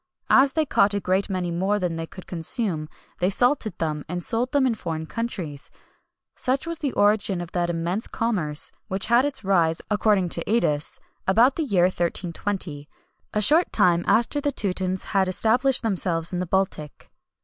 As they caught a great many more than they could consume, they salted them, and sold them in foreign countries. Such was the origin of that immense commerce, which had its rise, according to Eidous, about the year 1320, a short time after the Teutons had established themselves in the Baltic.